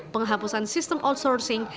penghapusan sistem outsourcing